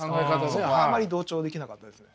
そこはあまり同調できなかったですね。